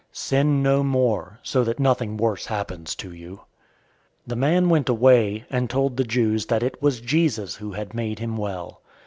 Sin no more, so that nothing worse happens to you." 005:015 The man went away, and told the Jews that it was Jesus who had made him well.